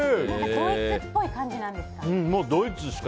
ドイツっぽい感じなんですか？